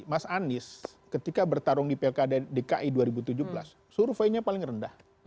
mas anies ketika bertarung di pilkada dki dua ribu tujuh belas surveinya paling rendah